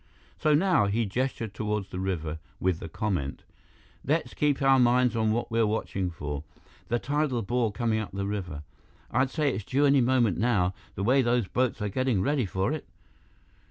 So now he gestured toward the river, with the comment: "Let's keep our minds on what we're watching for the tidal bore coming up the river. I'd say it's due any moment now, the way those boats are getting ready for it."